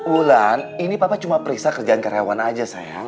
wulan ini papa cuma periksa kerjaan karyawan aja sayang